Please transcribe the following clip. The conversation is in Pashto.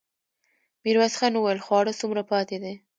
ميرويس خان وويل: خواړه څومره پاتې دي؟